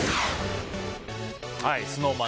ＳｎｏｗＭａｎ